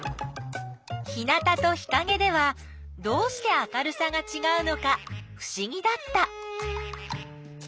日なたと日かげではどうして明るさがちがうのかふしぎだった。